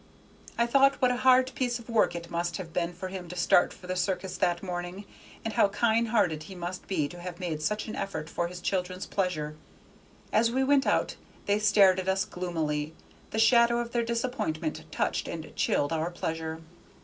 I thought what a hard piece of work it must have been for him to start for the circus that morning, and how kind hearted he must be to have made such an effort for his children's pleasure. As we went out they stared at us gloomily. The shadow of their disappointment touched and chilled our pleasure.